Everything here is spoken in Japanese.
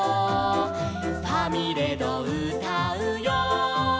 「ファミレドうたうよ」